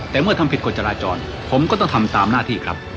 แต่เมื่อทำผิดกฎจราจรผมก็ต้องทำตามหน้าที่ครับ